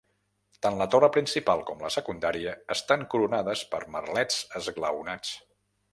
Tant la torre principal com la secundària estan coronades per merlets esglaonats.